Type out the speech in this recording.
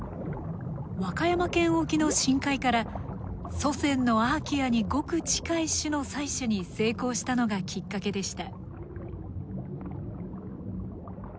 和歌山県沖の深海から祖先のアーキアにごく近い種の採取に成功したのがきっかけでした。